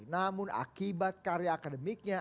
namun akibat karya akademiknya